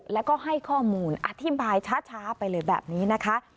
แล้วก็ให้ข้อมูลอธิบายช้าไปเลยแบบนี้นะคะ